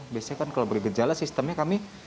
biasanya kan kalau bergejala sistemnya kami